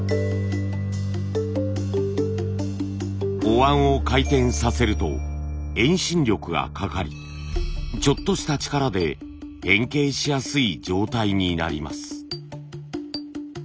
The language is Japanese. お椀を回転させると遠心力がかかりちょっとした力で変形しやすい状態になります。